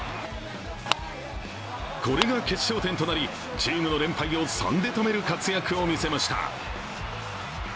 これが決勝点となりチームの連敗を３で止める活躍を見せました。